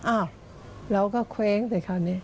อ้าวเราก็เคว้งแต่คราวนี้